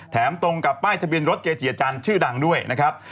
ตรงกับป้ายทะเบียนรถเกจิอาจารย์ชื่อดังด้วยนะครับ